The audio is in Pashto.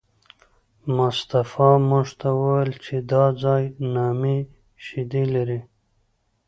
مصطفی موږ ته وویل چې دا ځای نامي شیدې لري.